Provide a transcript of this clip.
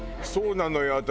そうなのよ。